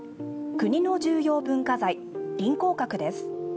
国の重要文化財臨江閣です。